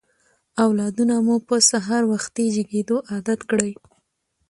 اولادونه مو په سهار وختي جګېدو عادت کړئ.